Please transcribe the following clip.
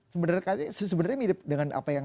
sebenarnya mirip dengan apa yang